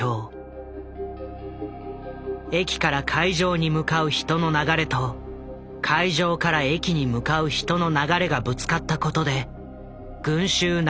駅から会場に向かう人の流れと会場から駅に向かう人の流れがぶつかったことで群集雪崩が発生。